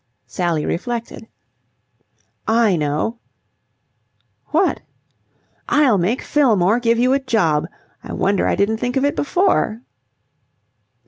Sally reflected. "I know!" "What?" "I'll make Fillmore give you a job. I wonder I didn't think of it before."